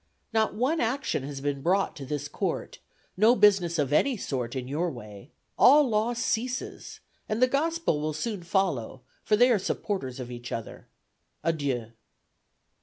Not one action has been brought to this court; no business of any sort in your way. All law ceases and the gospel will soon follow, for they are supporters of each other. Adieu."